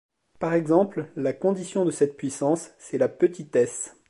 Par exemple, la condition de cette puissance, c’est la petitesse.